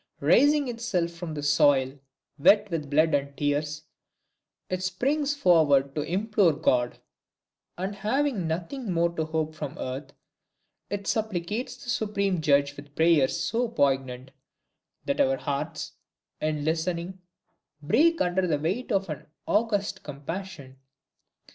Raising itself from the soil wet with blood and tears, it springs forward to implore God; and, having nothing more to hope from earth, it supplicates the Supreme Judge with prayers so poignant, that our hearts, in listening, break under the weight of an august compassion!